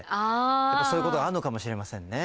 やっぱそういうことはあるのかもしれませんね。